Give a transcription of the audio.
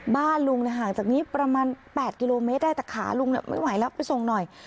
บ้านลุงห่างจากนี้ประมาณ๘กิโลเมตรได้แต่ขาลุงไม่ไหวแล้วไปส่งหน่อย